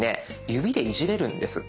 指でいじれるんです。